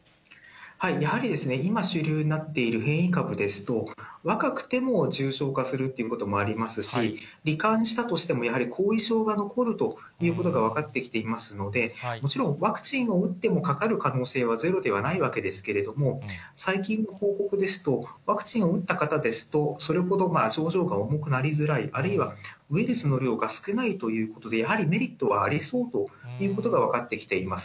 やはり、今主流になっている変異株ですと、若くても重症化するということもありますし、り患したとしてもやはり後遺症が残るということが分かってきていますので、もちろんワクチンを打っても、かかる可能性はゼロではないわけですけれども、最近の報告ですと、ワクチンを打った方ですと、それほど症状が重くなりづらい、あるいは、ウイルスの量が少ないということで、やはりメリットはありそうということが分かってきています。